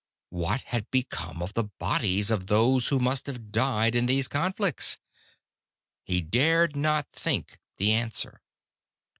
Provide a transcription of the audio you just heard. What had become of the bodies of those who must have died in these conflicts? He dared not think the answer.